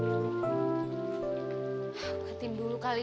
iya mungkin jika kurang banyak mungkin saya akan tua